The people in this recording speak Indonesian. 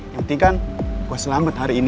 yang penting kan gue selamat hari ini